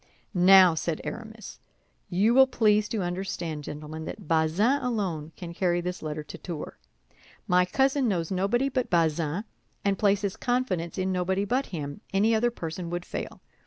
"Now," said Aramis, "you will please to understand, gentlemen, that Bazin alone can carry this letter to Tours. My cousin knows nobody but Bazin, and places confidence in nobody but him; any other person would fail.